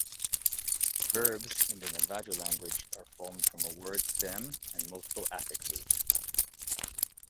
Verbs in the Navajo language are formed from a word stem and multiple affixes.